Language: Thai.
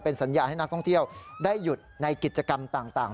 สัญญาให้นักท่องเที่ยวได้หยุดในกิจกรรมต่าง